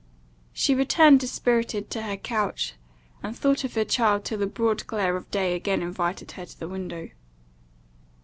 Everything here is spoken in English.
She returned dispirited to her couch, and thought of her child till the broad glare of day again invited her to the window.